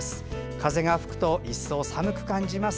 風が吹くといっそう寒く感じます。